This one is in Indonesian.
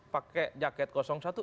pakai jaket kosong satu